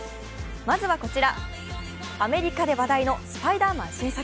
まずはこちら、アメリカで話題の「スパイダーマン」新作。